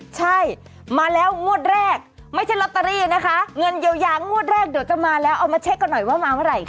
ใช่มาแล้วงวดแรกไม่ใช่ลอตเตอรี่นะคะเงินเยียวยางวดแรกเดี๋ยวจะมาแล้วเอามาเช็คกันหน่อยว่ามาเมื่อไหร่ค่ะ